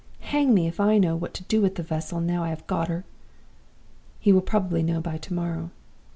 Hang me if I know what to do with the vessel, now I have got her!' "He will probably know by to morrow.